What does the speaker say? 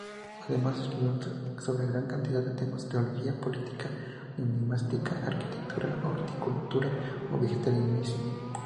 Además escribió sobre gran cantidad de temas: teología, política, numismática, arquitectura, horticultura, o vegetarianismo.